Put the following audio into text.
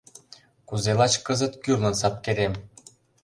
Кузе лач кызыт кӱрлын сапкерем